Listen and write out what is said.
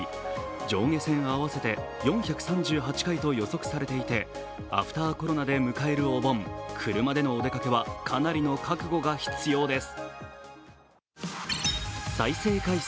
上下線合わせて４３８回と予測されていてアフターコロナで迎えるお盆、車でのお出かけはかなりの覚悟が必要です。